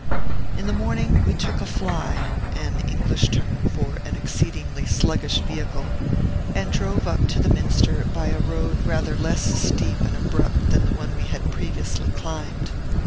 In the morning we took a fly (an English term for an exceedingly sluggish vehicle), and drove up to the Minster by a road rather less steep and abrupt than the one we had previously climbed.